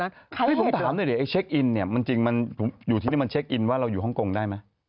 นี่ผมถามหน่อยดิไอเช็คอินเนี่ยมันจริงมันอยู่ที่นี่มันเช็คอินว่าเราอยู่ฮ่องกงได้ไหม